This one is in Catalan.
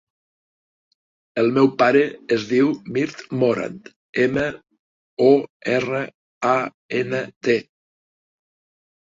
El meu pare es diu Mirt Morant: ema, o, erra, a, ena, te.